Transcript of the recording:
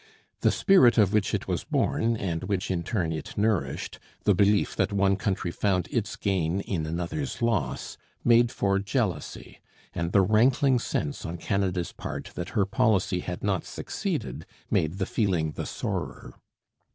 The spirit of which it was born and which in turn it nourished, the belief that one country found its gain in another's loss, made for jealousy, and the rankling sense on Canada's part that her policy had not succeeded made the feeling the sorer.